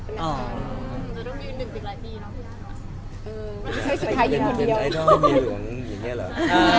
ต้องมี๑๐๐ปีแล้ว